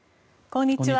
こんにちは。